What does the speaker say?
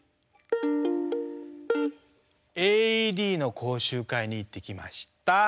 ＡＥＤの講習会に行ってきました。